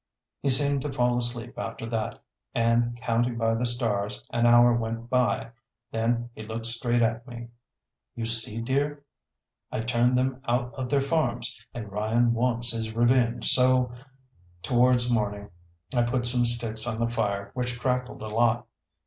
He seemed to fall asleep after that, and, counting by the stars, an hour went by. Then he looked straight at me "You see, dear? I turned them out of their farms, and Ryan wants his revenge, so " Towards morning I put some sticks on the fire which crackled a lot.